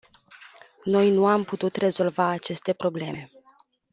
Noi nu am putut rezolva aceste probleme.